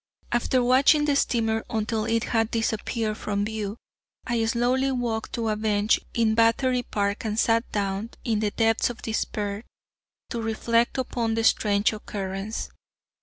After watching the steamer until it had disappeared from view, I slowly walked to a bench in Battery Park and sat down, in the depths of despair, to reflect upon the strange occurrence.